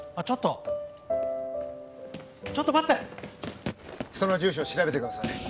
ちょっとちょっと待ってその住所を調べてください